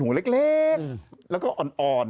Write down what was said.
เล็กแล้วก็อ่อน